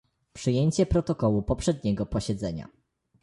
Przyjęcie protokołu poprzedniego posiedzenia